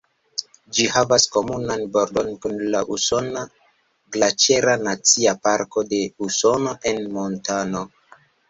Ĝi havas komunan bordon kun la usona Glaĉera Nacia Parko de Usono en Montano.